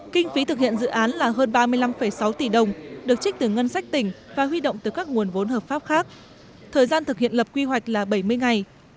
kinh phí thực hiện dự án là hơn ba mươi năm sáu tỷ đồng được trích từ ngân sách tỉnh và huy động từ các nguồn vốn hợp pháp khác thời gian thực hiện lập quy hoạch là bảy mươi ngày